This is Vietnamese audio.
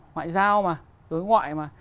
ngoại giao mà đối ngoại mà